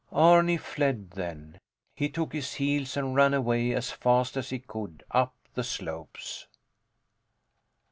Arni fled then. He took to his heels, and ran away as fast as he could up the slopes.